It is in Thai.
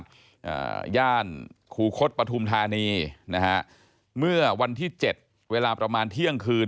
อ่าย่านคูคศปฐุมธานีนะฮะเมื่อวันที่เจ็ดเวลาประมาณเที่ยงคืน